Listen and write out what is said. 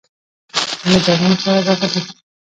له بمو سره راغلې